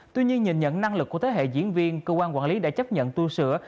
tuy nhiên nhìn nhận năng lực của thế hệ diễn viên cơ quan quản lý đã chấp nhận tu sửa